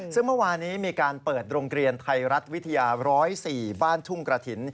ซึ่งเมื่อวานี้มีการเปิดโรงเรียนไทยรัฐวิทยา๑๐๔บ้านทุ่งกระถิ่น